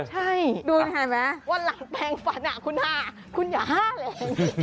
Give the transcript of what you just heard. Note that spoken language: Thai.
ใช่ดูเห็นไหมวันหลังแปลงฟันคุณ๕คุณอย่าห้าแรง